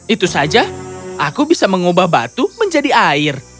itu saja aku bisa mengubah batu menjadi air